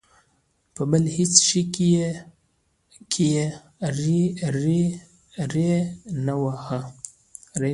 په بل هېڅ شي کې یې ری نه واهه.